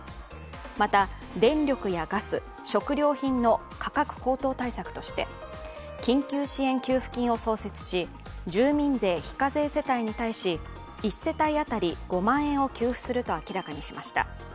また、電力やガス、食料品の価格高騰対策として緊急支援給付金を創設し住民税非課税世帯に対し１世帯当たり５万円を給付すると明らかにしました。